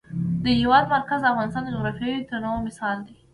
د هېواد مرکز د افغانستان د جغرافیوي تنوع مثال دی.